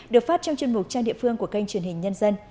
được phát trong chương trình trang địa phương của kênh truyền hình nhân dân